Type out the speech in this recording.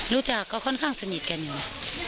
รู้จักก็ค่อนข้างสนิทกันอยู่